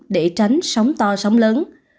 để tránh sóng to sóng lớn